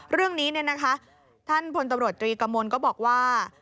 เรื่องนี้นะคะท่านพตรกำมลก็บอกว่า